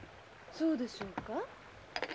そうでしょうか？